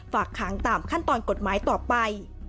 ฝากขังตามขั้นตอนกฎหมายต่อไป